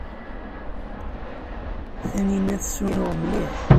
Taninna tessunuɣ mliḥ.